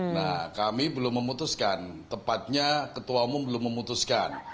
nah kami belum memutuskan tepatnya ketua umum belum memutuskan